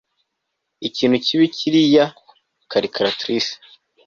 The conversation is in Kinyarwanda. ikintu kibi kuriyi calculatrice